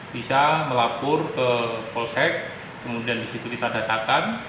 bisa melaporkan ke polsek kemudian di situ kita datangkan